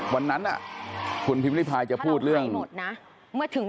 วันนั้นคุณพิมพลิพลายจะพูดเรื่อง